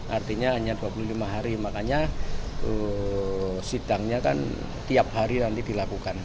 artinya hanya dua puluh lima hari makanya sidangnya kan tiap hari nanti dilakukan